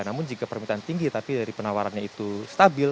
namun jika permintaan tinggi tapi dari penawarannya itu stabil